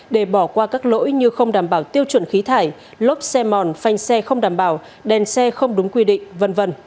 để bỏ qua các lỗi như không đảm bảo tiêu chuẩn khí thải lốp xe mòn phanh xe không đảm bảo đèn xe không đúng quy định v v